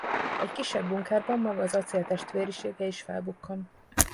Egy kisebb bunkerben maga az Acél Testvérisége is felbukkan.